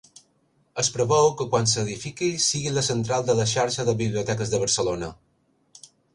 Es preveu que quan s'edifiqui sigui la central de la xarxa de biblioteques de Barcelona.